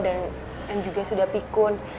dan juga sudah pikun